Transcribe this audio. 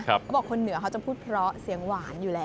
เขาบอกคนเหนือเขาจะพูดเพราะเสียงหวานอยู่แล้ว